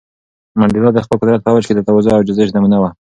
منډېلا د خپل قدرت په اوج کې د تواضع او عاجزۍ نمونه و.